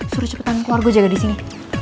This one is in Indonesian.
suruh cepetan keluar gue jaga disini